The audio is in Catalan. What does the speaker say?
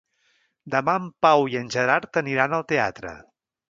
Demà en Pau i en Gerard aniran al teatre.